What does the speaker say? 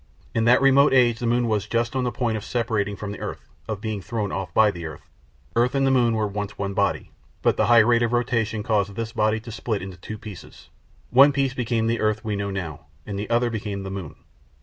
In that remote age the moon was just on the point of separating from the earth, of being thrown off by the earth. Earth and moon were once one body, but the high rate of rotation caused this body to split up into two pieces; one piece became the earth we now know, and the other became the moon.